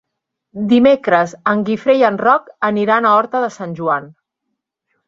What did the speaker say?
Dimecres en Guifré i en Roc aniran a Horta de Sant Joan.